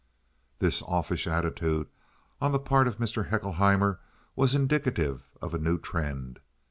This offish attitude on the part of Mr. Haeckelheimer was indicative of a new trend.